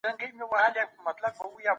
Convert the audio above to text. هغوی به ډېر ژر خپلي میوې راټولې کړي.